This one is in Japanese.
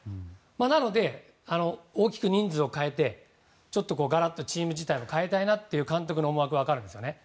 なので、大きく人数を変えてがらっとチーム自体を変えたいという監督の思惑があるんですね。